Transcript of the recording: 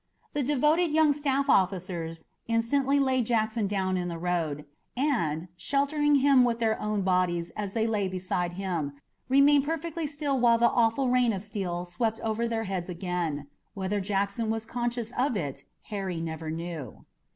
The devoted young staff officers instantly laid Jackson down in the road, and, sheltering him with their own bodies as they lay beside him, remained perfectly still while the awful rain of steel swept over their heads again. Whether Jackson was conscious of it Harry never knew.